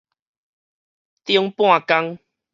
頂半工